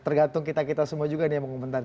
tergantung kita kita semua juga nih yang mengomentari